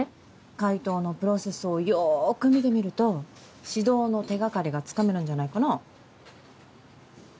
解答のプロセスをよく見てみると指導の手掛かりがつかめるんじゃないかな。